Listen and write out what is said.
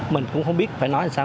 mình cũng không biết phải nói sao